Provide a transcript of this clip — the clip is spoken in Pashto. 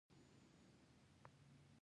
بلکې د مکې او مدینې برکت دی.